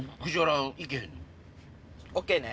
ＯＫね？